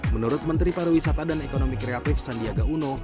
menurut menteri paru wisata dan ekonomi kreatif sandiaga uno